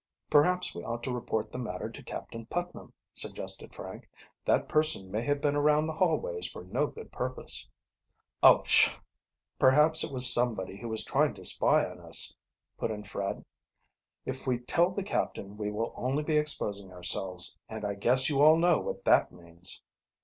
"Perhaps we ought to report the matter to Captain Putnam," suggested Frank. "That person may have been around the hallways for no good purpose." "Oh, pshaw! perhaps it was somebody who was trying to spy on us," put in Fred. "If we tell the captain we will only be exposing ourselves, and I guess you all know what that means."